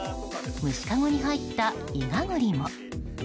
虫かごに入ったイガグリも。